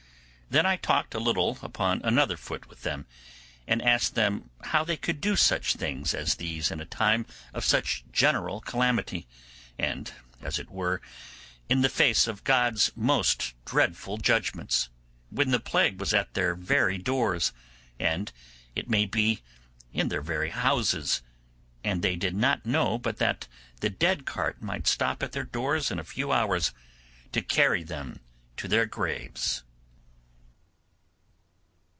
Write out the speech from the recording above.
Then I talked a little upon another foot with them, and asked them how they could do such things as these in a time of such general calamity, and, as it were, in the face of God's most dreadful judgements, when the plague was at their very doors, and, it may be, in their very houses, and they did not know but that the dead cart might stop at their doors in a few hours to carry them to their graves.